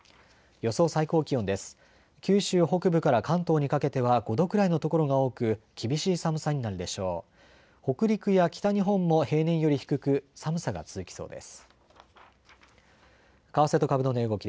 予想最高気温です。